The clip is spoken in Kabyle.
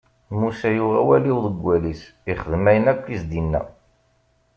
Musa yuɣ awal i uḍeggal-is, ixdem ayen akk i s-d-inna.